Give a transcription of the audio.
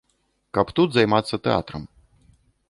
Каб тут займацца тэатрам.